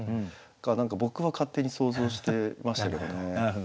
何か僕は勝手に想像してましたけどね。